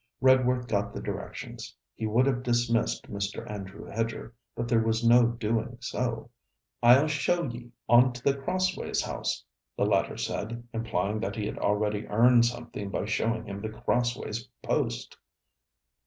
Redworth got the directions. He would have dismissed Mr. Andrew Hedger, but there was no doing so. 'I'll show ye on to The Crossways House,' the latter said, implying that he had already earned something by showing him The Crossways post.